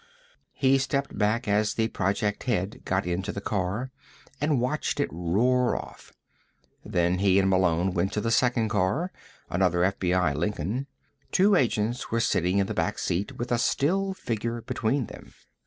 He stepped back as the project head got into the car, and watched it roar off. Then he and Malone went to the second car, another FBI Lincoln. Two agents were sitting in the back seat, with a still figure between them.